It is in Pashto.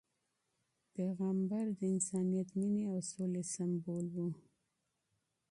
پیغمبر د انسانیت، مینې او سولې سمبول و.